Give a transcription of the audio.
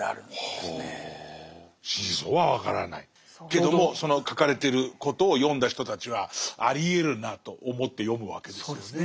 けどもその書かれてることを読んだ人たちはありえるなと思って読むわけですよね。